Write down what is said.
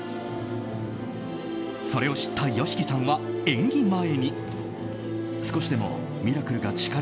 それを知ったＹＯＳＨＩＫＩさんは演技前に。